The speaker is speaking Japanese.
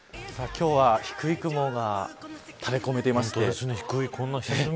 今日は低い雲が垂れ込めていまして。